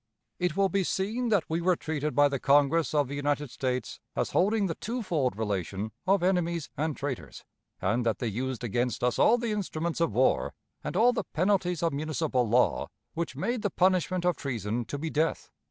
It will be seen that we were treated by the Congress of the United States as holding the twofold relation of enemies and traitors, and that they used against us all the instruments of war, and all the penalties of municipal law which made the punishment of treason to be death.